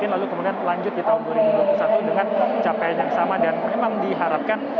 lalu kemudian lanjut di tahun dua ribu dua puluh